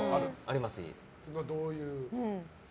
どういう？